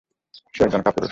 সে একজন কাপুরুষ!